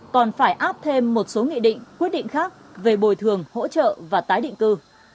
còn phải áp thêm một số nghị định quyết định khác về bồi thường hỗ trợ và tái định cư